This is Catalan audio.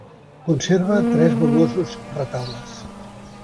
Conserva tres valuosos retaules.